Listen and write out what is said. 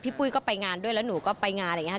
ปุ้ยก็ไปงานด้วยแล้วหนูก็ไปงานอะไรอย่างนี้ค่ะ